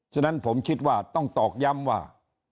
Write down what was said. ฉะนั้นผมคิดว่าต้องตอกย้ำว่า